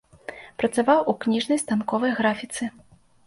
Працаваў у кніжнай станковай графіцы.